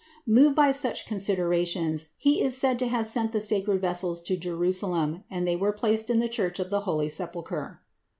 Moved by such considerations, he is said to have sent the "sacred vessels" to Jerusalem, and they were placed in the Church of the Holy Sepulchre.